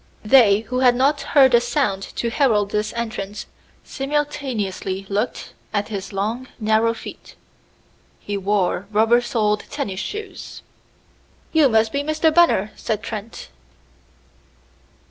They, who had not heard a sound to herald this entrance, simultaneously looked at his long, narrow feet. He wore rubber soled tennis shoes. "You must be Mr. Bunner," said Trent.